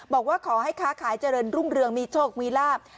บอกว่าขอให้ค้าขายเจริญรุ่งเรืองมีโชคมีลาบ